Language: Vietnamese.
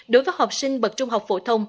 đối với học sinh bậc trung học phổ thông